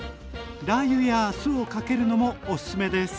ラー油や酢をかけるのもおすすめです。